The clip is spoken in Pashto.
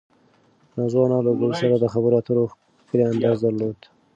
نازو انا له ګل سره د خبرو اترو ښکلی انداز درلود.